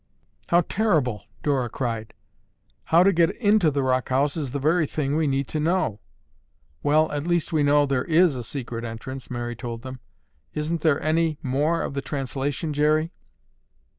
"How terrible!" Dora cried. "How to get into the rock house is the very thing we need to know." "Well, at least we know there is a secret entrance," Mary told them. "Isn't there any more of the translation, Jerry?"